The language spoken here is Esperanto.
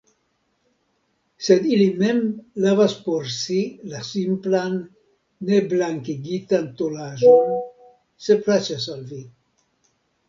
Sed ili mem lavas por si la simplan, neblankigitan tolaĵon, se plaĉas al vi.